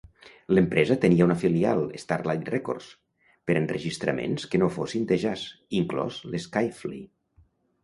L'empresa tenia una filial, Starlite Records, per a enregistraments que no fossin de jazz (inclòs l'skiffle).